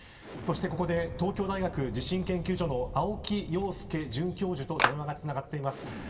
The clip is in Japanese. ここで東京大学地震研究所の青木陽介准教授と電話がつながっています。